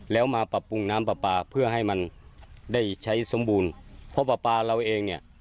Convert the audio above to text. แล้วมาปรับปรุงน้ำปลาปลาเพื่อให้มันได้ใช้สมบูรณ์เพราะปลาปลาเราเองเนี่ย